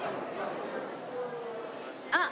あっ！